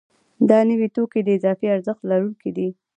دا نوي توکي د اضافي ارزښت لرونکي دي